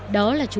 đó là chú rồ